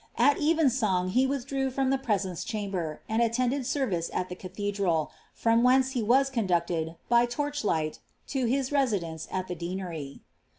At even song he withdrew from the presence chamber, and attended service at the cathedral, from whence he was conduuled, by lorch lighl, lo hie resilience al ihe de»ncry.'